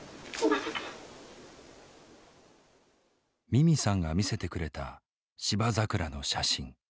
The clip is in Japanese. ミミさんが見せてくれたシバザクラの写真。